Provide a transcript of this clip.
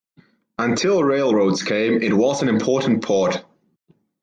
Until railroads came, it was an important port.